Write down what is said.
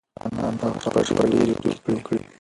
انا په هغه شپه ډېرې اوښکې تویې کړې.